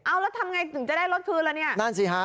แล้วทำยังไงถึงจะได้รถคืนแล้วเนี่ย